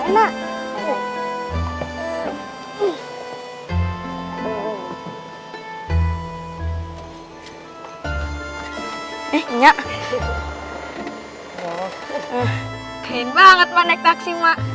kayaknya banget mau naik taksi mak